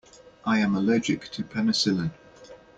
I am allergic to penicillin.